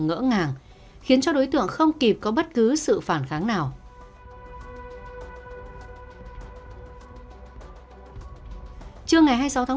thế nên chúng tôi là bố trí lực lượng